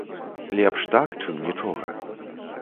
Лепш так, чым нічога.